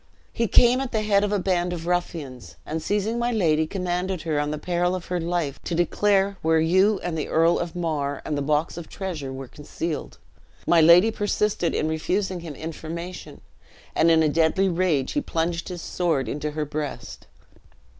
"He came at the head of a band of ruffians, and seizing my lady, commanded her on the peril of her life, to declare where you and the Earl of Mar and the box of treasure were concealed. My lady persisted in refusing him information, and in a deadly rage he plunged his sword into her breast."